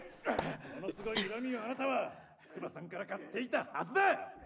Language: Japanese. ものすごい恨みをあなたは筑波さんから買っていたはずだ！